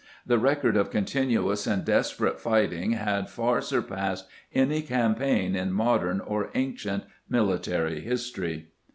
The record of continuous and desperate fighting had far surpassed any campaign in modern or ancient military history.